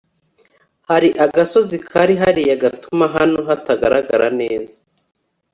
hari agasozi kari hariya gatuma hano hatagaragara neza